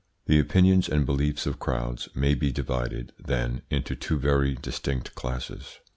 The opinions and beliefs of crowds may be divided, then, into two very distinct classes.